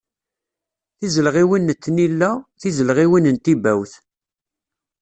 Tizelɣiwin n tnilla, tizelɣiwin n tibawt.